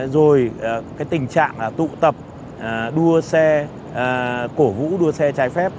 rồi cái tình trạng tụ tập đua xe cổ vũ đua xe trái phép